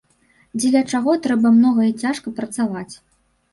Дзеля чаго трэба многа і цяжка працаваць.